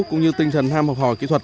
cũng như tinh thần ham học hỏi kỹ thuật